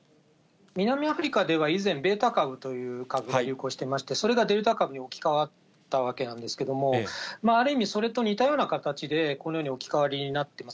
南アフリカでは以前、ベータ株という株が流行してまして、それがデルタ株に置き換わったわけなんですけれども、ある意味、それと似たような形で、このような置き換わりになってます。